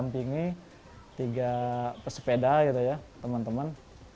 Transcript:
ada juga yang menampingi tiga pesepeda gitu ya teman teman